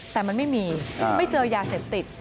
แต่มันไม่มีไม่เจอยาเสพติด